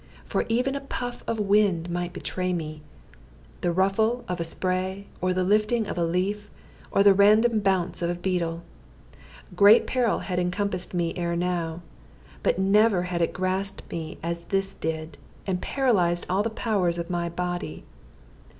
For even a puff of wind might betray me, the ruffle of a spray, or the lifting of a leaf, or the random bounce of a beetle. Great peril had encompassed me ere now, but never had it grasped me as this did, and paralyzed all the powers of my body.